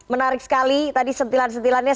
menarik sekali tadi setilan setilannya